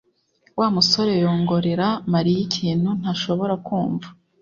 Wa musore yongorera Mariya ikintu ntashobora kumva